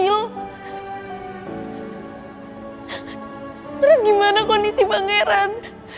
terus gimana kondisi bang eran